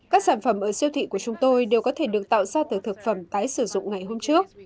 các sản phẩm ở siêu thị của chúng tôi đều có thể được tạo ra từ thực phẩm tái sử dụng ngày hôm trước